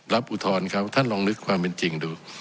อุทธรณ์เขาท่านลองนึกความเป็นจริงดู